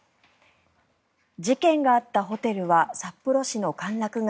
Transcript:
事件があったホテルは札幌市の歓楽街